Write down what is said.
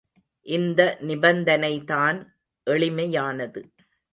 இந்த நிபந்தனைதான் எளிமையானது.